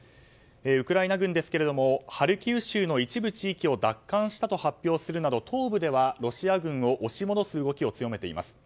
ウクライナ軍ですがハルキウ州の一部地域を奪還したと発表するなど東部ではロシア軍を押し戻す動きを強めています。